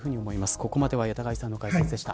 ここまでは谷田貝さんの解説でした。